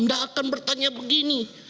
nggak akan bertanya begini